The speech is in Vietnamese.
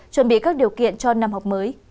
chuẩn bị các điều kiện cho năm học mới